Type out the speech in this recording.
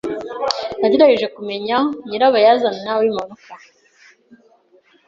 Nagerageje kumenya nyirabayazana w'impanuka.